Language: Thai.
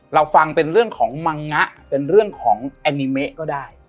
เราฟังเป็นเรื่องของมังงะเป็นเรื่องของแอนิเมะก็ได้